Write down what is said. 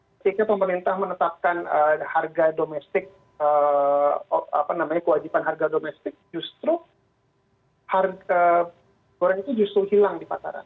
ketika pemerintah menetapkan harga domestik kewajiban harga domestik justru harga goreng itu justru hilang di pasaran